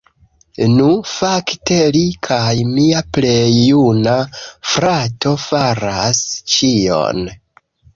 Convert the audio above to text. Nu, fakte li kaj mia plej juna frato faras ĉion